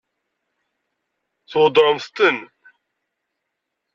Tweddṛemt-ten?